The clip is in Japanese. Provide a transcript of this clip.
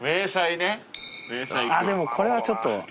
でもこれはちょっと。